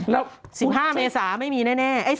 แล้ว๑๕เมษาไม่มีแน่